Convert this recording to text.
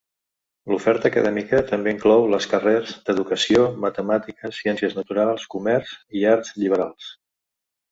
L'oferta acadèmica també inclou les carrers d'educació, matemàtiques, ciències naturals, comerç i arts lliberals.